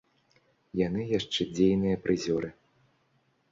Яны яшчэ дзейныя прызёры.